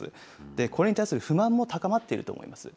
これに対する不満も高まっていると思います。